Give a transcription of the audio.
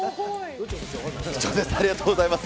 貴重です、ありがとうございます。